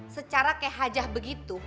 secara kayak hajah begitu